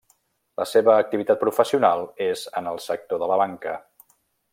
La seva activitat professional és en el sector de la banca.